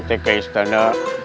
padahal saya ke istana